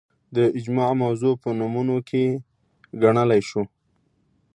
د اجماع موضوع په نمونو کې ګڼلای شو